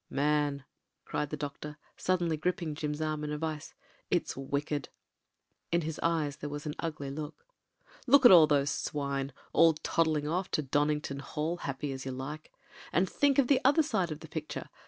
"Man," cried the doctor, suddenly gripping Jim's arm in a vice, "it's wicked!" In his eyes there was an ugly look. "Look at those swine — ^all toddling off to Donington Hall — ^happy as you like. And think of the other side of the picture.